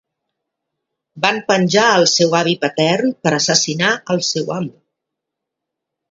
Van penjar el seu avi patern per assassinar el seu amo.